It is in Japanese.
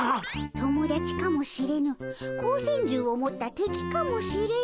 友だちかもしれぬ光線銃を持った敵かもしれぬ。